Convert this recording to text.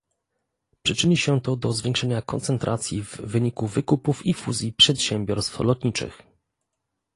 Przyczyni się to do zwiększenia koncentracji w wyniku wykupów i fuzji przedsiębiorstw lotniczych